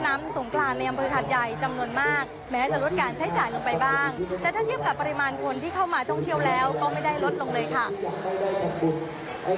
แต่ถ้าเทียบกับปริมาณคนที่เข้ามาท่องเที่ยวแล้ว